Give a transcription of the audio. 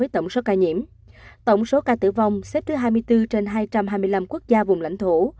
tổng số ca tử vong xếp thứ hai mươi bốn trên hai trăm hai mươi năm quốc gia vùng lãnh thổ